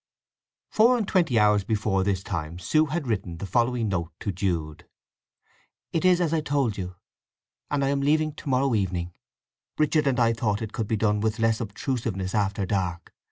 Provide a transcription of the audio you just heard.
V Four and twenty hours before this time Sue had written the following note to Jude: It is as I told you; and I am leaving to morrow evening. Richard and I thought it could be done with less obtrusiveness after dark.